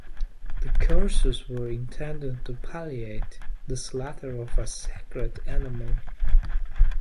The curses were intended to palliate the slaughter of a sacred animal.